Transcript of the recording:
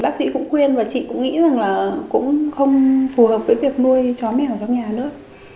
bác sĩ cũng khuyên và chị cũng nghĩ rằng là cũng không phù hợp với việc nuôi chó mèo trong nhà nữa